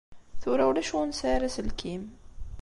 Tura ulac win ur nesɛi ara aselkim.